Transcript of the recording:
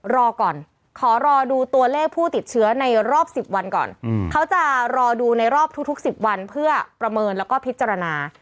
รอก่อนขอรอดูตัวเลขผู้ติดเชื้อในรอบ๑๐วันก่อนเขาจะรอดูในรอบทุก๑๐วันเพื่อประเมินแล้วก็พิจารณา